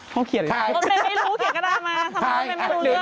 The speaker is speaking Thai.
ต้องเขียนอะไรไม่รู้เขียนกระดาษมาทำไมไม่รู้เรื่อง